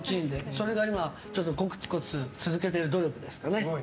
それがコツコツ続けている努力ですかね。